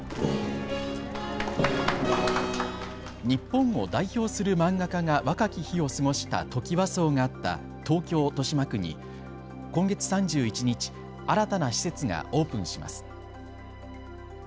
日本を代表する漫画家が若き日を過ごしたトキワ荘があった東京豊島区に今月３１日、新たな施設がオープンします。